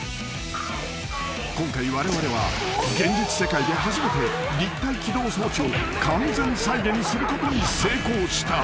［今回われわれは現実世界で初めて立体機動装置を完全再現することに成功した］